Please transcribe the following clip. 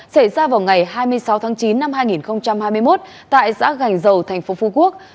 xảy ra vào ngày hai mươi sáu tháng chín năm hai nghìn hai mươi một tại xã gành dầu thành phố phú quốc